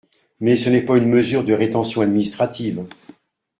Mais ce n’est pas une mesure de rétention administrative.